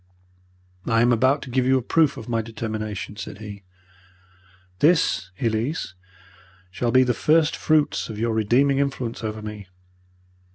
"'I am about to give you a proof of my determination,' said he. 'This, Elise, shall be the first fruits of your redeeming influence over me.